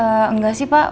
eee enggak sih pak